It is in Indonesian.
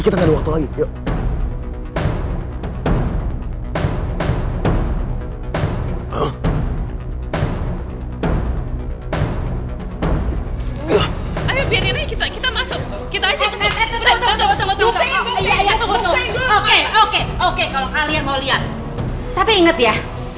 kita kita masuk kita aja oke oke oke kalau kalian mau lihat tapi inget ya